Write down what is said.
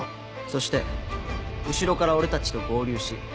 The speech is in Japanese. そして後ろから俺たちと合流し。